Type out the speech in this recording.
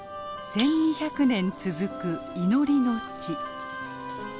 １，２００年続く祈りの地。